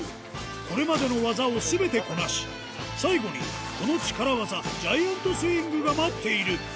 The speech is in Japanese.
これまでの技をすべてこなし、最後にこの力技、ジャイアントスイングが待っている。